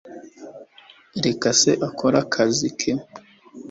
reka s akore akazi ke